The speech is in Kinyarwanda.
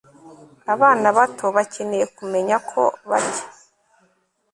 Abana bato bakeneye kumenya ko barya